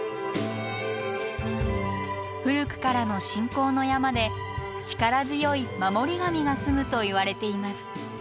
古くからの信仰の山で力強い守り神が棲むといわれています。